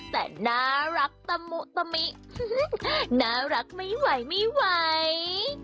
แต่น่ารักตะมุตะมิน่ารักไม่ไหวไม่ไหว